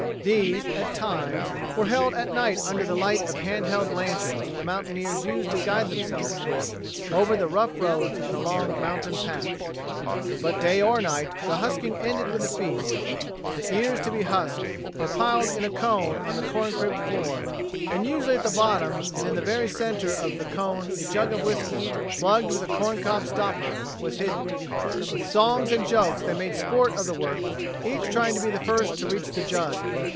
These, at times, were held at night under the light of hand lanterns the mountaineers used to guide themselves with over the rough roads and along mountain paths. But day or night, the husking ended with a feast. The ears to be husked were piled in a cone on the corn crib floor, and usually at the bottom and in the very center of the cone a jug of whisky, plugged with a corn cob stopper, was hidden. With songs and jokes they made sport of the work, each trying to be first to reach the jug.